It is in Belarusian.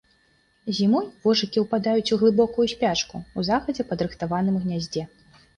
Зімой вожыкі ўпадаюць у глыбокую спячку ў загадзя падрыхтаваным гняздзе.